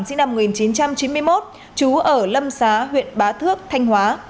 sinh năm một nghìn chín trăm chín mươi một trú ở lâm xá huyện bá thước thanh hóa